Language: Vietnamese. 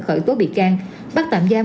khởi tố bị can bắt tạm giam